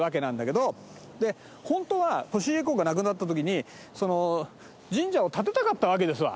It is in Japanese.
ホントは利家公が亡くなった時に神社を建てたかったわけですわ。